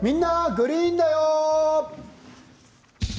グリーンだよ」。